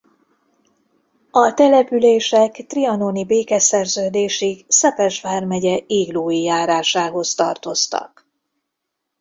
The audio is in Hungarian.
A települések trianoni békeszerződésig Szepes vármegye Iglói járásához tartoztak.